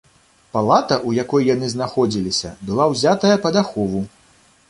Палата, у якой яны знаходзіліся, была ўзятая пад ахову.